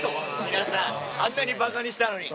皆さんあんなにバカにしたのに。